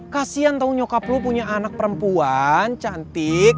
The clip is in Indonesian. kasian tau nyokap lo punya anak perempuan cantik